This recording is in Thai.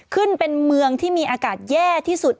ขึ้นเป็นเมืองที่มีอากาศแย่ที่สุด